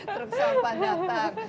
terus sampah datang